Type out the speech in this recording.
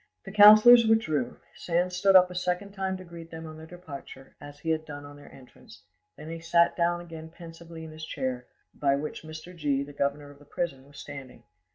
The councillors withdrew; Sand stood up a second time to greet them on their departure, as he had done on their entrance; then he sat down again pensively in his chair, by which Mr. G, the governor of the prison, was standing.